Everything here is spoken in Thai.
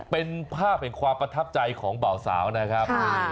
เป็นภาพแห่งความประทับใจของเบาสาวนะครับ